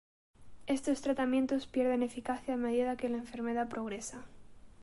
Estos tratamientos pierden eficacia a medida que la enfermedad progresa.